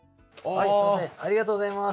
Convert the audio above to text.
ありがとうございます。